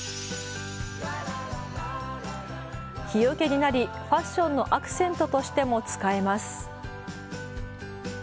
日よけになりファッションのアクセントとしても使えます。